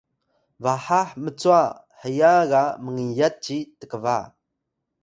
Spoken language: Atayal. baha mcwa heya ga mngiyat ci tkba